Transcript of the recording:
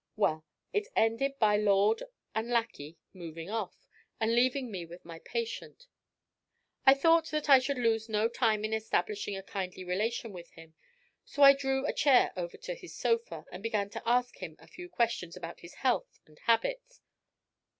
Well, it ended by lord and lacquey moving off, and leaving me with my patient. I thought that I should lose no time in establishing a kindly relation with him, so I drew a chair over to his sofa and began to ask him a few questions about his health and habits.